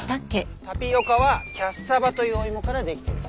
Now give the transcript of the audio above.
タピオカはキャッサバというお芋からできてる。